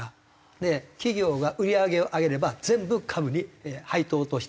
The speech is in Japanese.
で企業が売り上げを上げれば全部株に配当として戻ってきますから。